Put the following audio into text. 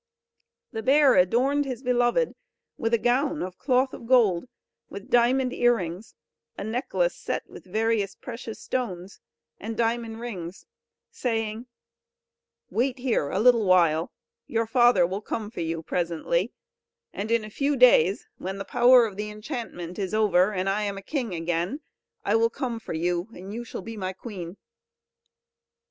The bear adorned his beloved with a gown of cloth of gold, with diamond ear rings, a necklace set with various precious stones, and diamond rings, saying: "Wait here a little while; your father will come for you presently; and in a few days, when the power of the enchantment is over, and I am a king again, I will come for you, and you shall be my queen."